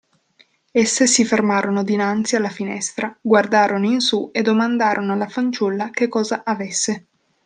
Esse si fermarono dinanzi alla finestra, guardarono in su e domandarono alla fanciulla che cosa avesse.